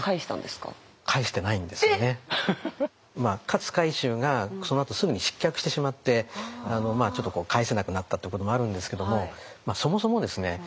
勝海舟がそのあとすぐに失脚してしまってちょっと返せなくなったということもあるんですけどもそもそもですね